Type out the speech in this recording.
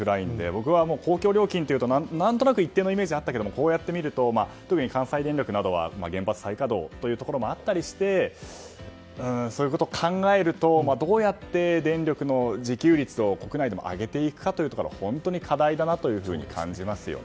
僕は公共料金というと何となく一定のイメージがありましたけどこうやってみると特に関西電力は原発再稼働もあったりしてそういうことを考えるとどうやって電力の自給率を国内でも上げていくかというのは本当に課題だなと感じますよね。